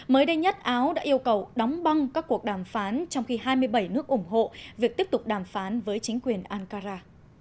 mới đây nhất áo đã yêu cầu đóng băng các cuộc đàm phán trong khi hai mươi bảy nước ủng hộ việc tiếp tục đàm phán với chính quyền ankara